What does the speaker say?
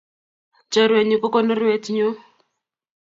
Choruenyu ko konoruet nyu